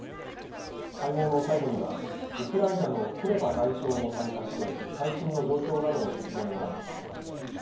会合の最後にはウクライナのクレバ外相も参加して最新の状況などの説明がありＧ７